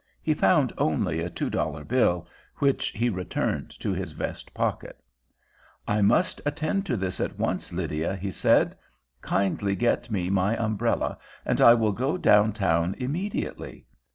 He found only a two dollar bill, which he returned to his vest pocket. "I must attend to this at once, Lydia," he said. "Kindly get me my umbrella and I will go downtown immediately.